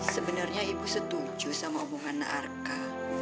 sebenarnya ibu setuju sama hubungan arka